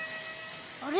あれ？